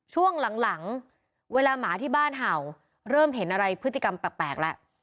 ช่วงหลังเวลาหมาที่บ้านเห่าเริ่มเห็นอะไรพฤติกรรมแปลกแล้ว